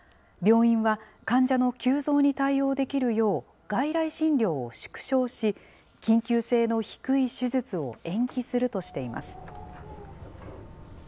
病院は患者の急増に対応できるよう、外来診療を縮小し、緊急性の低い手術を延期するとしています。